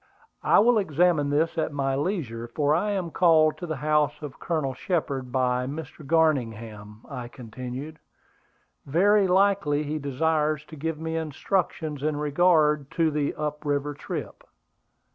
"I will examine this at my leisure; for I am called to the house of Colonel Shepard by Mr. Garningham," I continued. "Very likely he desires to give me instructions in regard to the up river trip.